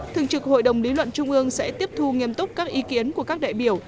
thường trực hội đồng lý luận trung ương sẽ tiếp thu nghiêm túc các ý kiến của các đại biểu